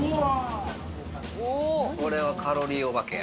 これはカロリーお化けや。